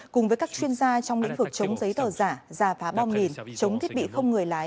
cùng với các chuyên gia trong lĩnh vực chống giấy tờ giả giả phá bom mìn chống thiết bị không người lái